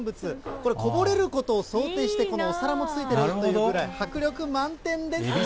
これ、こぼれることを想定して、このお皿もついてるというぐらい、迫力満点ですね。